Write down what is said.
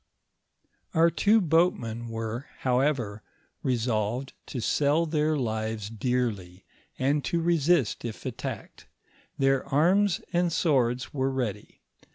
Oar two boatmen were, howovor, resolved to sell their livet dearly, and to resist if attacked ; their arms and swords were ready.